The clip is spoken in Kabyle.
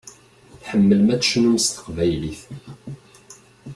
Tḥemmlem ad tecnum s teqbaylit.